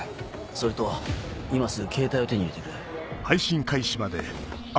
それと今すぐケータイを手に入れてくれ。